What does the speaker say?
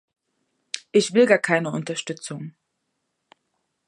Ich will gar keine Unterstützung.